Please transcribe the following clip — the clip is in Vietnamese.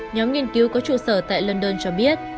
nhóm nghiên cứu có trụ sở tại london cho biết